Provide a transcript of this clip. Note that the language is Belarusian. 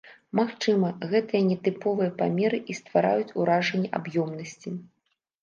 Магчыма, гэтыя нетыповыя памеры і ствараюць уражанне аб'ёмнасці.